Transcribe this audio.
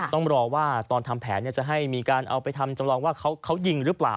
ต้องรอว่าตอนทำแผนจะให้มีการเอาไปทำจำลองว่าเขายิงหรือเปล่า